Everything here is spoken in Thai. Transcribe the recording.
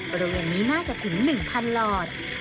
บริเวณนี้น่าจะถึง๑๐๐หลอด